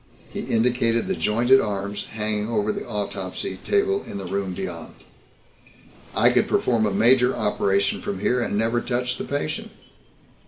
He indicated the jointed arms hanging over the autopsy table in the room beyond. "I could perform a major operation from here and never touch the patient.